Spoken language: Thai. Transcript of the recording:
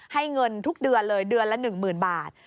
ให้เงินทุกเดือนเลยเดือนละ๑๐๐๐บาท